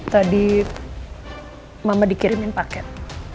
tadi mama dikirimin paket